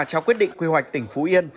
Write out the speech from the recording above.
trao quyết định quy hoạch tỉnh phú yên